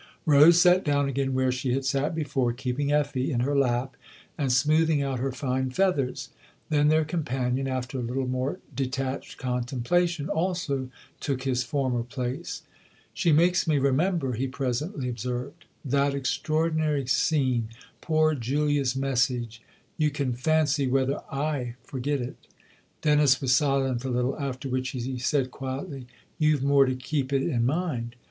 Rose sat down again where she had sat before, keeping Effie in her lap and smoothing out her fine feathers. Then their companion, after a little more detached contemplation, also took his former place. " She makes me remember !" he presently ob served. " That extraordinary scene poor Julia's mes sage ? You can fancy whether / forget it !" Dennis was silent a little ; after which he said quietly :" You've more to keep it in mind."